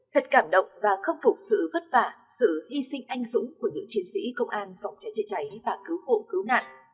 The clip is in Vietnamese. thật cảm động và khâm phục sự vất vả sự hi sinh anh dũng của những chiến sĩ công an phòng cháy chế cháy và cứu hộ cứu nạn